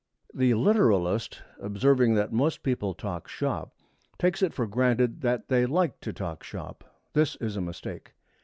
The literalist, observing that most people talk shop, takes it for granted that they like to talk shop. This is a mistake.